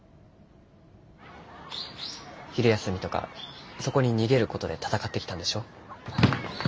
昼休みとかそこに逃げる事で戦ってきたんでしょ。